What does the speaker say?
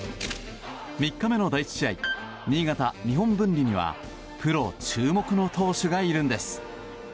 ３日目の第１試合新潟・日本文理にはプロ注目の投手がいるんです。